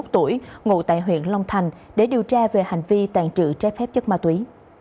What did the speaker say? hai mươi tuổi ngụ tại huyện long thành để điều tra về hành vi tàn trự trái phép chất ma túy